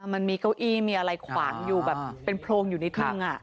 มันมีเก้าอี้มีอะไรขวางอยู่แบบเป็นโพรงอยู่นิดนึง